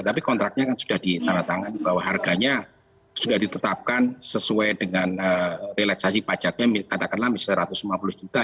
tapi kontraknya kan sudah ditandatangani bahwa harganya sudah ditetapkan sesuai dengan relaksasi pajaknya katakanlah satu ratus lima puluh juta